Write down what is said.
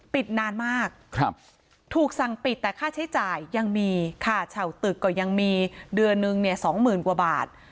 ปิดนานมากครับถูกสั่งปิดแต่ค่าใช้จ่ายยังมีค่าเฉ่าตึกก็ยังมีเดือนหนึ่งเนี่ยสองหมื่นกว่าบาท